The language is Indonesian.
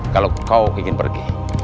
kalau kau ingin pergi